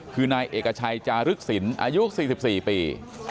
คือนายเอกชัยจารึกศิลป์อายุ๔๔ปี